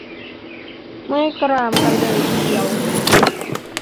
เมื่อยกรามกันเลยทีเดียว !